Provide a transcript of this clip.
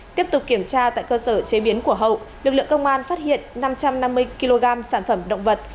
tiếp tục kiểm tra tại cơ sở chế biến của hậu lực lượng công an phát hiện năm trăm năm mươi kg sản phẩm động vật